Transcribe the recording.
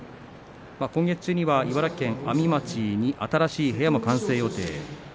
今月中には茨城県阿見町に新しい部屋も完成します。